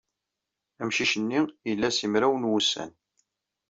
Amcic-nni ila simraw n wussan.